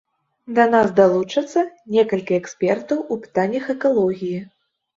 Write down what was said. Да нас далучацца некалькі экспертаў у пытаннях экалогіі.